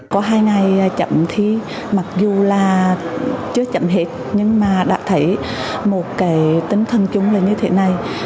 có hai ngày chấm thi mặc dù là chưa chấm hết nhưng mà đã thấy một cái tính thân chúng là như thế này